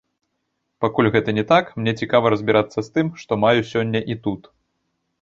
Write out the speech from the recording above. Пакуль гэта не так, мне цікава разбірацца з тым, што маю сёння і тут.